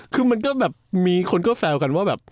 คือมันก็แบบมีคนก็แซวกันว่าแบบ